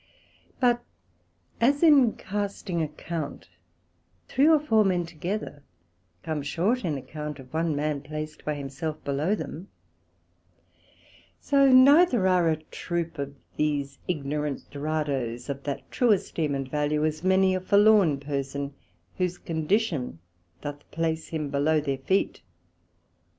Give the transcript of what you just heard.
But as in casting account, three or four men together come short in account of one man placed by himself below them: So neither are a troop of these ignorant Doradoes, of that true esteem and value, as many a forlorn person, whose condition doth place him below their feet.